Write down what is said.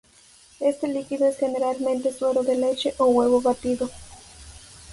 Este líquido es generalmente suero de leche o huevo batido.